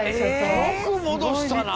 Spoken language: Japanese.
よく戻したな。